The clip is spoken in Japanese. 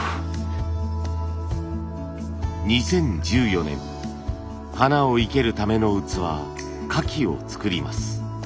２０１４年花を生けるための器花器を作ります。